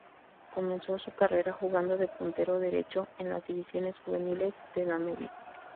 Comenzó su carrera jugando de puntero derecho en las divisiones juveniles de Danubio.